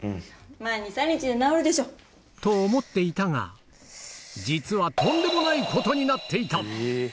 まぁ、２、３日で治るでしょ。と思っていたが、実はとんでもないことになっていた。